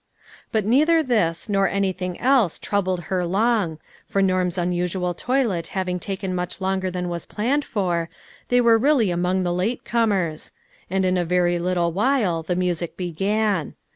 But neither this nor anything else troubled THE CONCEET. 269 her long, for Norm's unsual toilet having taken much longer than was planned for, they were really among the late comers ; and in a very lit tle while the music began.